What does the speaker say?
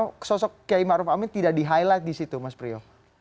kenapa sosok kayak ma'ruf amin tidak di highlight di situ mas priyo